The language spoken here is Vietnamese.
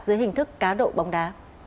dưới hình thức cá độ bóng đá